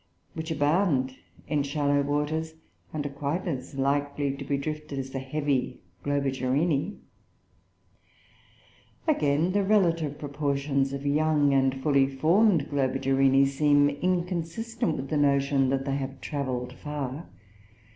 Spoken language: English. which abound in shallow waters, and are quite as likely to be drifted as the heavy Globigerinoe. Again, the relative proportions of young and fully formed Globigerinoe seem inconsistent with the notion that they have travelled far.